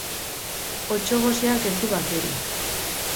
Otso goseak ez du bakerik.